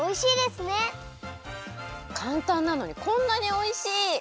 かんたんなのにこんなにおいしい！